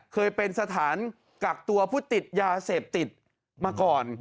เคยเป็นสถานกักตัวผู้ติดยาเสพติดมาก่อน